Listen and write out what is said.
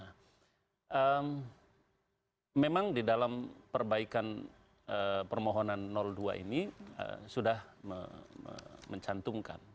nah memang di dalam perbaikan permohonan dua ini sudah mencantumkan